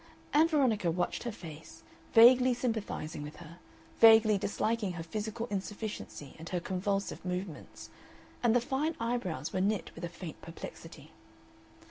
Ann Veronica watched her face, vaguely sympathizing with her, vaguely disliking her physical insufficiency and her convulsive movements, and the fine eyebrows were knit with a faint perplexity.